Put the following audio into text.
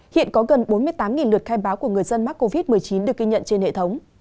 hiện có gần bốn mươi tám lượt khai báo của người dân mắc covid một mươi chín được ghi nhận trên hệ thống